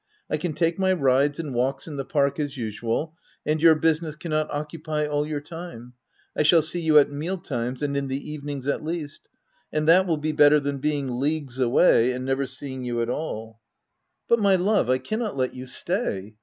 I can take my rides and walks in the park as usual; and your business cannot occupy all your time ; I shall see you at mealtimes and in the evenings, at least, and that will be better than being leagues away and never seeing you at all." 102 THE TENANT P But my love, I cannot let you stay.